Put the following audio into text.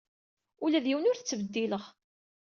Ula d yiwen ur t-ttbeddileɣ.